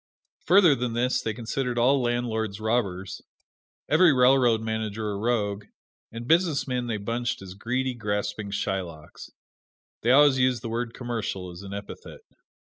Further than this they considered all landlords robbers, every railroad manager a rogue, and businessmen they bunched as greedy, grasping Shylocks. They always used the word "commercial" as an epithet.